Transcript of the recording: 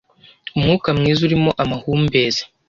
Umwuka mwiza urimo amahumbezi